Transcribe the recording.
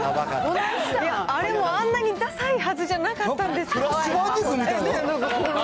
あれもあんなにださいはずじゃなかったんですけど。